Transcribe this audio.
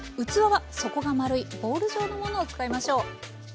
器は底が丸いボウル状のものを使いましょう。